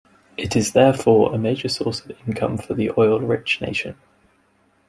It is therefore a major source of income for the oil-rich nation.